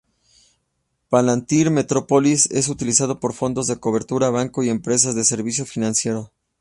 Palantir Metropolis es utilizado por fondos de cobertura, bancos y empresas de servicios financieros.